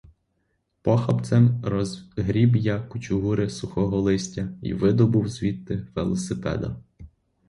Похапцем розгріб я кучугури сухого листя й видобув звідти велосипеда.